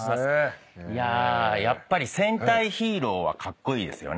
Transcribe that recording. いややっぱり戦隊ヒーローはカッコイイですよね。